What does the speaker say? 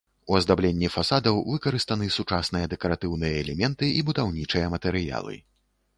У аздабленні фасадаў выкарыстаны сучасныя дэкаратыўныя элементы і будаўнічыя матэрыялы.